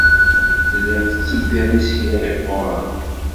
Telliḍ tettebbiḍ isekla yeqquren.